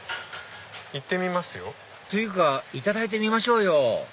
行ってみますよ。というかいただいてみましょうよ！